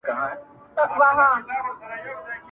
• هيبت پروت دی دې لاسوکي -